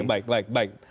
baik baik baik